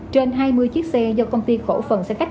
trên hai mươi chiếc xe do công ty cổ phần xe khách